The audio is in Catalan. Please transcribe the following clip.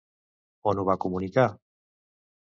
On ho va comunicar?